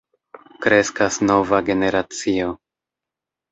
Kreskas nova generacio.